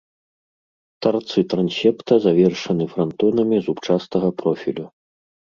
Тарцы трансепта завершаны франтонамі зубчастага профілю.